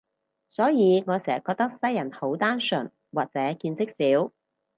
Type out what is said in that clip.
所以我成日覺得西人好單純，或者見識少